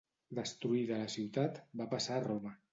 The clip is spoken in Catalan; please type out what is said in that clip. Destruïda la ciutat, va passar a Roma.